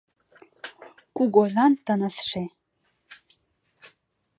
«Кугозан тынысше».